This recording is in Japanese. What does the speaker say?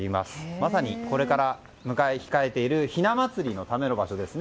まさにこれから控えている雛祭りのための場所ですね。